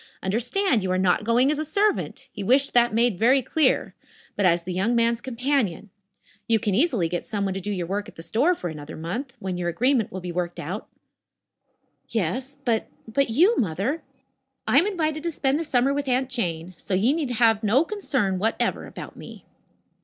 Understand, you are not going as a servant he wished that made very clear but as the young man's companion. You can easily get someone to do your work at the store for another month, when your agreement will be worked out." "Yes but but you, Mother?" "I am invited to spend the summer with Aunt Jane, so you need have no concern whatever about me."